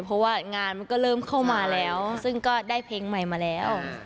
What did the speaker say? เพราะว่างานมันก็เริ่มเข้ามาแล้วซึ่งก็ได้เพลงใหม่มาแล้ว